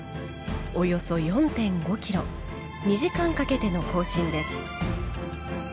およそ４．５ｋｍ２時間かけての行進です。